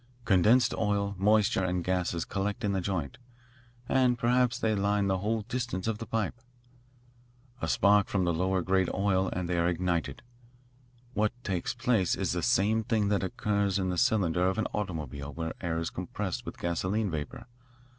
Condensed oil, moisture, and gases collect in the joint, and perhaps they line the whole distance of the pipe. A spark from the low grade oil and they are ignited. What takes place is the same thing that occurs in the cylinder of an automobile where the air is compressed with gasoline vapour.